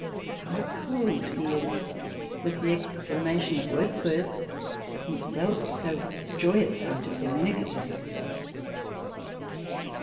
" How cold he is !" was the exclamation of Wordsworth himself so joyous and communicative.